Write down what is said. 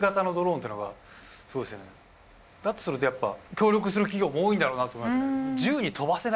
だとするとやっぱ協力する企業も多いんだろうなと思いますね。